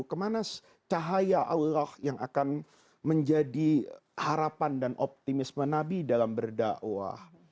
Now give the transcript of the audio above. kemana cahaya allah yang akan menjadi harapan dan optimisme nabi dalam berdakwah